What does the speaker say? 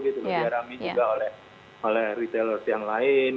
dialami juga oleh retailers yang lain